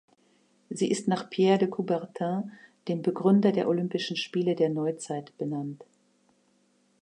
Sie ist nach Pierre de Coubertin, dem Begründer der Olympischen Spiele der Neuzeit, benannt.